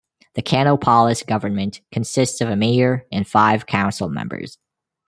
The Kanopolis government consists of a mayor and five council members.